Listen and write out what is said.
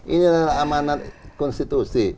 ini adalah amanat konstitusi